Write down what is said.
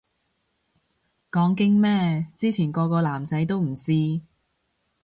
講經咩，之前個個男仔都唔試